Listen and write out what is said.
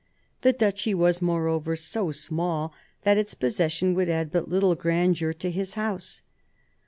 The duchy was, moreover, so small that its possession would add but little grandeur to his House.